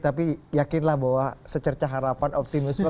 tapi yakinlah bahwa secerca harapan optimisme